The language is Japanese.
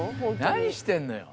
何してんのよ。